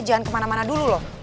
jangan kemana mana dulu loh